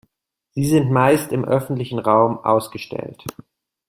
Sie sind meist im öffentlichen Raum ausgestellt.